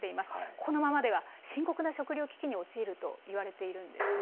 このままでは深刻な食糧危機に陥るといわれているんですね。